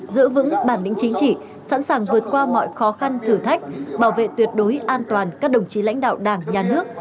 giữ vững bản lĩnh chính trị sẵn sàng vượt qua mọi khó khăn thử thách bảo vệ tuyệt đối an toàn các đồng chí lãnh đạo đảng nhà nước